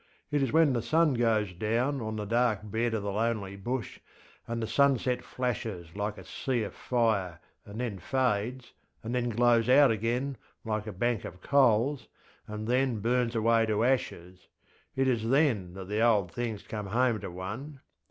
It is when the sun goes down on the dark bed of the lonely Bush, and the sunset flashes like a sea of fire and then fades, and then glows out again, like a bank of coals, and then burns away to ashesŌĆöit is then that old things come home to one.